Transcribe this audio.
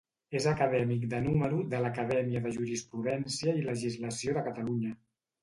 És acadèmic de número de l'Acadèmia de Jurisprudència i Legislació de Catalunya.